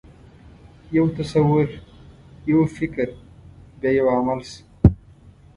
یو تصور، یو فکر، بیا یو عمل شو.